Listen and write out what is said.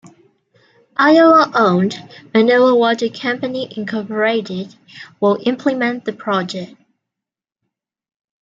Ayala-owned Manila Water Company Incorporated will implement the project.